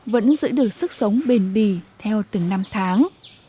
vẫn giữ được sức sống bền bì theo từng năm tháng